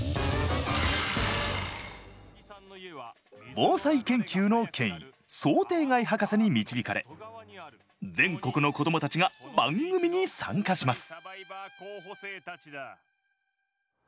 防災研究の権威宗定凱博士に導かれ全国の子どもたちが番組に参加します。